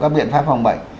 các biện pháp phòng bệnh